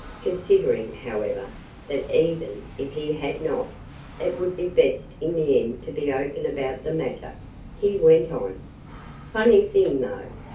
Considering, however, that even if he had not, it would be best in the end to be open about the matter, he went on: "Funny thing, though!